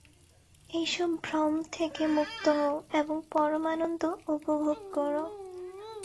এইসব ভ্রম থেকে মুক্ত হও এবং পরমানন্দ উপভোগ কর।